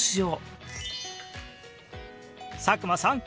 佐久間さん